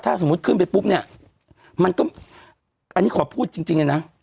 ถ้าสมมุติขึ้นไปปุ๊บเนี่ยมันก็อันนี้ขอพูดจริงเลยนะ